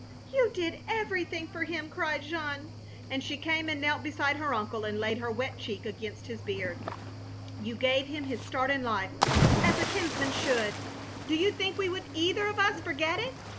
"You did everything for him," cried Jeanne, and she came and knelt beside her uncle, and laid her wet cheek against his beard. "You gave him his start in life, as a kinsman should — OF GROSVENOR SQUARE 309 do you think we would either of us forget it?